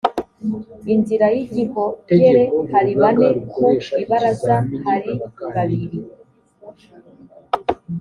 inzira y igihogere hari bane ku ibaraza hari babiri